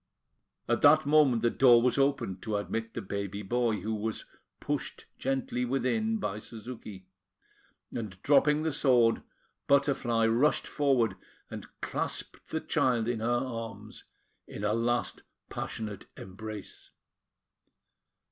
At that moment, the door was opened to admit the baby boy, who was pushed gently within by Suzuki; and, dropping the sword, Butterfly rushed forward, and clasped her child in her arms in a last passionate embrace.